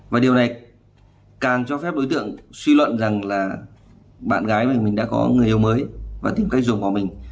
và điều này càng cho phép đối tượng suy luận rằng là bạn gái mình đã có người yêu mới và tìm cách dùng vào mình